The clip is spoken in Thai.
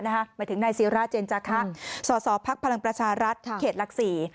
หมายถึงในสีระเจญจักรสภรรพลังประชารัฐเขตลักษี